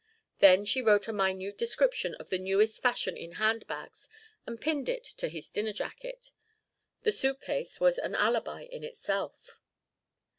Then she wrote a minute description of the newest fashion in hand bags and pinned it to his dinner jacket. The suitcase was an alibi in itself.